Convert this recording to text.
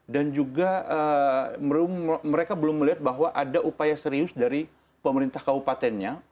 dan juga mereka belum melihat bahwa ada upaya serius dari pemerintah kabupatennya